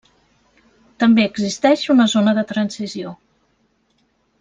També existeix una zona de transició.